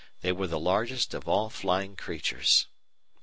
They were the largest of all flying creatures.